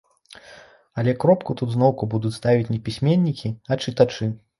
Але кропку тут зноўку будуць ставіць не пісьменнікі, а чытачы.